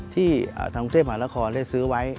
ที่คลองเทพหานครได้ซื้อไว้